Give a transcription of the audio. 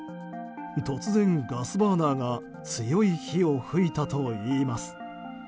突然、ガスバーナーが強い火を噴いたといいます。